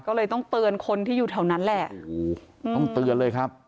ก็เลยต้องเตือนคนที่อยู่แถวนั้นแหละโอ้โหต้องเตือนเลยครับ